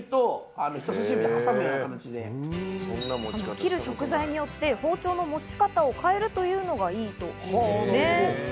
切る食材によって包丁の持ち方を変えるというのがいいということなんですね。